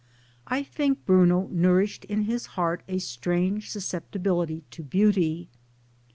I think Bruno nourished in his heart a strange susceptibility to beauty.